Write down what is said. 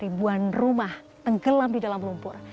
ribuan rumah tenggelam di dalam lumpur